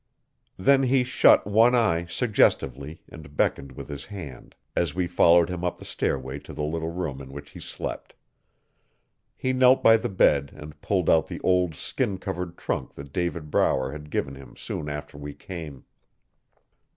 Then he shut one eye, suggestively, and beckoned with his head, as we followed him up the stairway to the little room in which he slept. He knelt by the bed and pulled out the old skin covered trunk that David Brower had given him soon after we came.